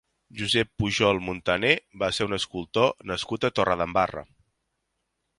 Josep Pujol Montané va ser un escultor nascut a Torredembarra.